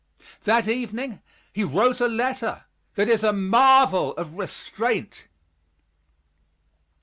That evening he wrote a letter that is a marvel of restraint.